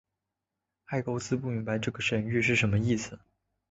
埃勾斯不明白这个神谕是什么意思。